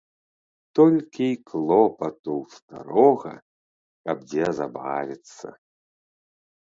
Толькі й клопату ў старога каб дзе забавіцца.